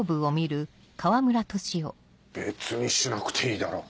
別にしなくていいだろう。